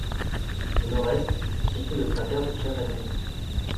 Au nord-est se situe le cratère de Chavagneux.